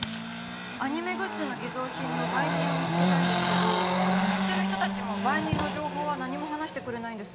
アニメグッズの偽造品の売人を見つけたいんですけど買ってる人たちも売人の情報は何も話してくれないんです。